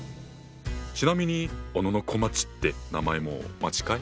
ちなみに小野こまっちって名前も間違い？